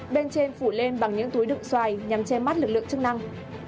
bên trên phủ lên bằng những túi đựng xoài nhằm che mắt lực lượng chức năng